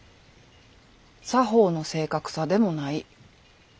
作法の正確さでもない。